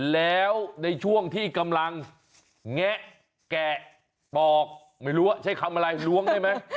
แล้วในช่วงที่กำลังแงะแกะปอกไม่รู้ว่าใช้คำอะไรล้วงได้ไหม